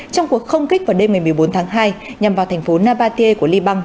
trong cuộc không kích vào đêm một mươi bốn tháng hai nhằm vào thành phố nabatye của liban